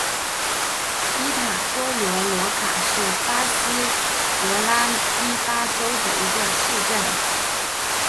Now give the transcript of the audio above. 伊塔波罗罗卡是巴西帕拉伊巴州的一个市镇。